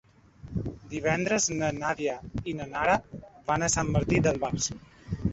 Divendres na Nàdia i na Nara van a Sant Martí d'Albars.